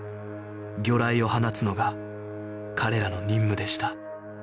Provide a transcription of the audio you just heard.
魚雷を放つのが彼らの任務でした